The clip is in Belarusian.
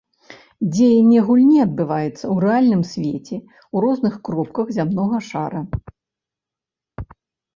Дзеянне гульні адбываецца ў рэальным свеце ў розных кропках зямнога шара.